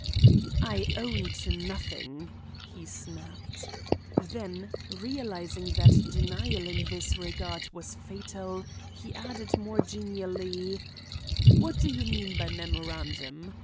"I own to nothing," he snapped. Then, realizing that denial in this regard was fatal, he added more genially: "What do you mean by memorandum?